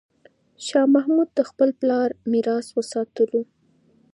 شاه محمود د خپل پلار میراث وساتلو.